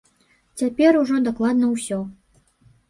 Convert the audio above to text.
Цяпер ужо дакладна ўсё.